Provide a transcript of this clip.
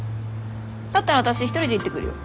だったら私一人で行ってくるよ。